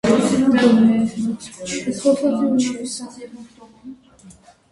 Դու հրեդ ի՞նչ ես անում: